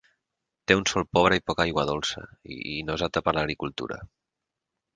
Té un sòl pobre i poca agua dolça, i no és apte per l'agricultura.